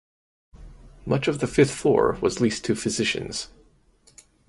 Much of the fifth floor was leased to physicians.